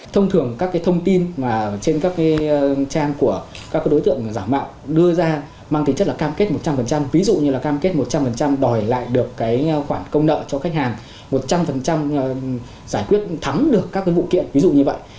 thông thường các thông tin trên các trang của các đối tượng giả mạo đưa ra mang tính chất là cam kết một trăm linh ví dụ như là cam kết một trăm linh đòi lại được khoản công nợ cho khách hàng một trăm linh giải quyết thắm được các vụ kiện ví dụ như vậy